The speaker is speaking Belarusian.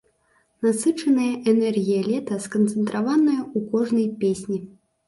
Насычаная энергія лета сканцэнтраваная ў кожнай песні.